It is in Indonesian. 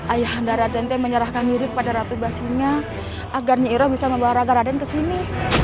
ayahanda radente menyerahkan nyirik pada ratu basinya agar nyiroh bisa membawa raga raden ke sini